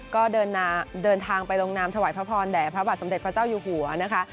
ก็เดินทางไปลงนามถวายพระพรแด่พระบาทสมเด็จพระเจ้าอยู่หัวนะคะ